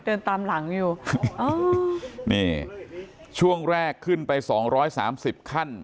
เดินตามหลังอยู่อ๋อนี่ช่วงแรกขึ้นไปสองร้อยสามสิบขั้น